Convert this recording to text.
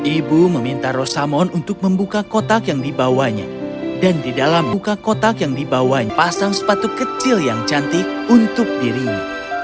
ibu meminta rosamon untuk membuka kotak yang dibawanya dan di dalam buka kotak yang dibawa pasang sepatu kecil yang cantik untuk dirinya